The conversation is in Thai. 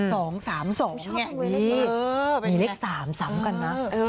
๒๓๒อย่างนี้มีเลข๓๓กันนะ